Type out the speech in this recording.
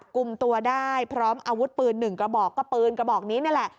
กลุ่มตัวได้พร้อมอาวุธปืน๑กระบอกก็ปืนกระบอกนี้นี่แหละ